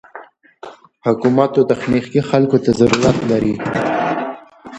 حکومت و تخنيکي خلکو ته ضرورت لري.